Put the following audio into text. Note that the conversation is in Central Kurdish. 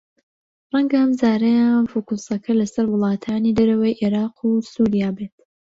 رەنگە ئەمجارەیان فۆکووسەکە لەسەر وڵاتانی دەرەوەی عێراق و سووریا بێت